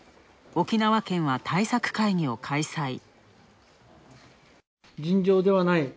沖縄県は対策会議を開催。